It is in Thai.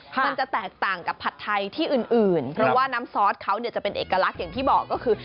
เพราะว่าน้ำซอสเขาจะเป็นเอกลักษณ์อย่างที่บอกก็คือ